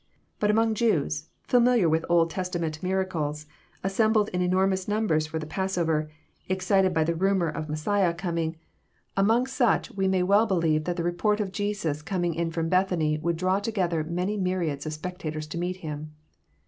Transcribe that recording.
But among Jews, familiar with Old Testament miracles, assembled in enormous numbers for '. the Passover, excited by the rumour of Messiah coming^— 330 EXFOSITORY THOUGHTS. among 8uc]i we may well believe that the report of Jesns com iDg in from Bethany would draw together many myriads of spectators to meet Him.